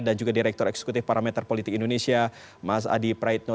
dan juga direktur eksekutif parameter politik indonesia mas adi praetno